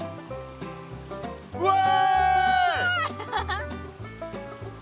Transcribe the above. うわ！